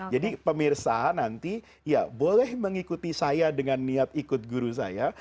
jadi pemirsa nanti boleh mengikuti saya dengan niat ikut guru saya